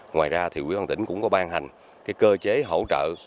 ngoài ra thì quỹ ban tỉnh cũng có ban hành cơ chế hỗ trợ